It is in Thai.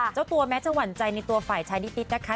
เจ้าตัวแม้จะหวั่นใจในตัวฝ่ายชายนิดนะคะ